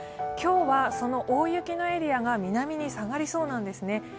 今日はその大雪のエリアが南に下がりそうなんですね。